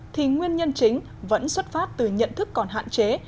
thì nguyên nhân chính vẫn xuất phát từ nhận thức còn hạn chế